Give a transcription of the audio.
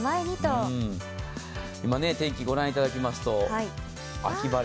今、天気御覧いただきますと秋晴れ。